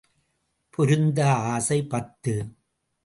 பொருந்தா ஆசை பத்து.